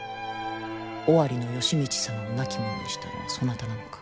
尾張の吉通様を亡き者にしたのはそなたなのか？